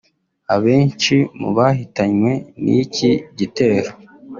Abenshi mu bahitanywe n’iki gitero